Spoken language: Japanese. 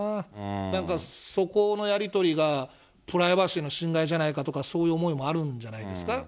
なんかそこのやり取りが、プライバシーの侵害じゃないかとか、そういう思いあるんじゃないですか。